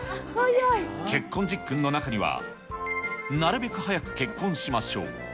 結婚十訓の中には、なるべく早く結婚しましょう。